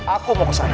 aku mau kesana